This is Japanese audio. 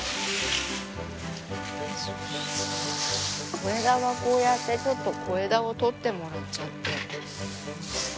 小枝はこうやってちょっと小枝を取ってもらっちゃって。